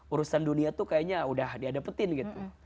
urusan dunia tuh kayaknya udah dia dapetin gitu